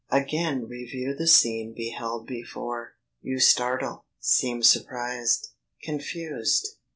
Again review the scene beheld before. You startle, seem surprised! confused!